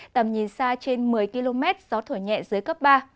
tầm nhìn xa trên một mươi km gió thổi nhẹ dưới cấp ba